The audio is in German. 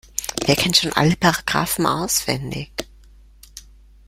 Wer kennt schon alle Paragraphen auswendig?